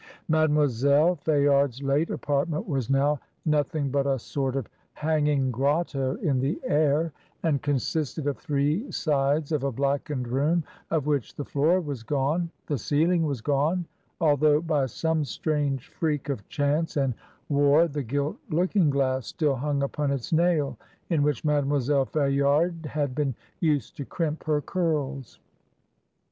1 97 Mademoiselle Fayard's late apartment was now nothing but a sort of hanging grotto in the air, and consisted of three sides of a blackened room, of which the floor was gone, the ceiling was gone, although by some strange freak of chance and war the gilt looking glass still hung upon its nail in which Mademoiselle Fayard had been used to crimp her curls.